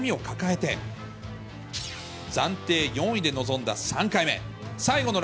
その痛みを抱えて、暫定４位で臨んだ３回目。